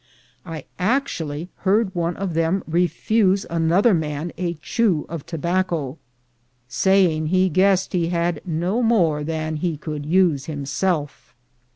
I actually heard one of them refuse another man a chew of tobacco, say ing he guessed he had no more than what he could use himself.